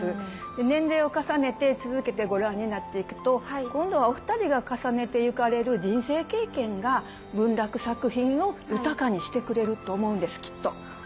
年齢を重ねて続けてご覧になっていくと今度はお二人が重ねてゆかれる人生経験が文楽作品を豊かにしてくれると思うんですきっと。